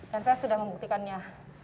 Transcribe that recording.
dan saya sudah membuktikannya